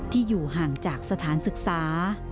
อยู่ห่างจากสถานศึกษา